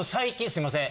すいません。